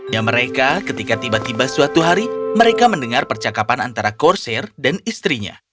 yang mereka ketika tiba tiba suatu hari mereka mendengar percakapan antara corser dan istrinya